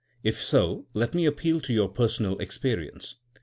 If 80, let me appeal to your personal experience.